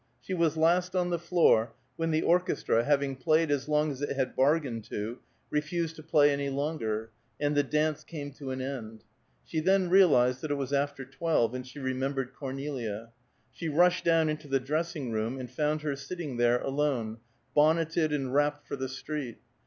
She was last on the floor, when the orchestra, having played as long as it had bargained to, refused to play any longer, and the dance came to an end. She then realized that it was after twelve, and she remembered Cornelia. She rushed down into the dressing room, and found her sitting there alone, bonneted and wrapped for the street.